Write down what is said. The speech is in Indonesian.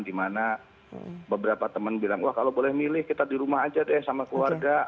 dimana beberapa teman bilang wah kalau boleh milih kita di rumah aja deh sama keluarga